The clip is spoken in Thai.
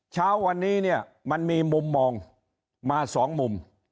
เช้าวันนี้เนี่ยมันมีมุมมองมาสองมุม